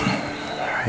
pada masa di kepala